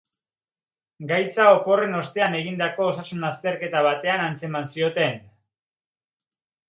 Gaitza oporren ostean egindako osasun-azterketa batean antzeman zioten.